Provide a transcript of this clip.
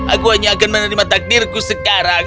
aku hanya akan menerima takdirku sekarang